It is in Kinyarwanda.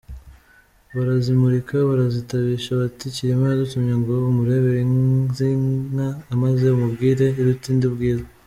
Barazimurika, barazitabisha bati “Cyilima yadutumye ngo umurebere izi nka maze umubwire iruta indi ubwiza.